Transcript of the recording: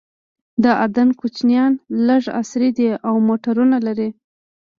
د اردن کوچیان لږ عصري دي او موټرونه لري.